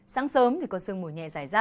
sáng sớm thì có sương mùi nhẹ dài ra